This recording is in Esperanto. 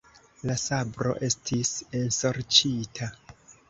La sabro estis ensorĉita!